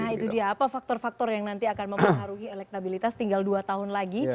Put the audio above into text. nah itu dia apa faktor faktor yang nanti akan mempengaruhi elektabilitas tinggal dua tahun lagi